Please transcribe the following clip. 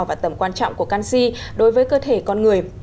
và tầm quan trọng của canxi đối với cơ thể con người